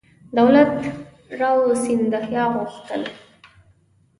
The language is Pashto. دولت راو سیندهیا وغوښتل.